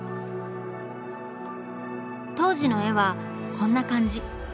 当時の絵はこんな感じ。